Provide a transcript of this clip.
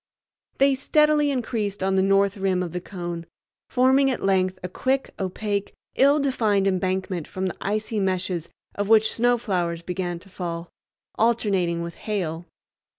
They steadily increased on the north rim of the cone, forming at length a thick, opaque, ill defined embankment from the icy meshes of which snow flowers began to fall, alternating with hail.